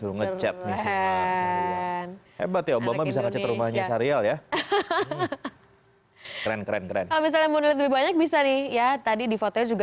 hebat ya obama bisa ngecat rumahnya syahril ya hahaha keren keren bisa nih ya tadi di fotonya juga